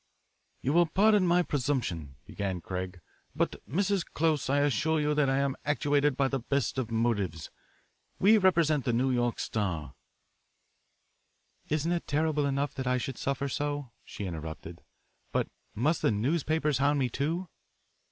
"You will pardon my presumption," began Craig, "but, Mrs. Close, I assure you that I am actuated by the best of motives. We represent the New York Star " "Isn't it terrible enough that I should suffer so," she interrupted, "but must the newspapers hound me, too?"